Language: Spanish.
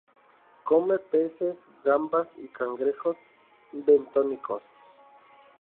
Come peces, gambas y cangrejos bentónicos.